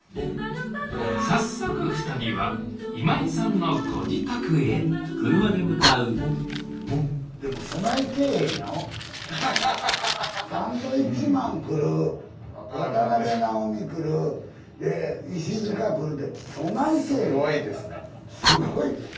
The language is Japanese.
早速２人は今井さんのご自宅へそないけえへん。